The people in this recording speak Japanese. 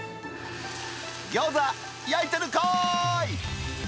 ギョーザ焼いてるかーい。